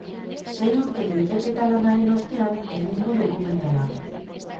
Sei urteko ikerketa lanaren ostean egin du dokumentala.